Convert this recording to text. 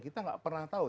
kita nggak pernah tahu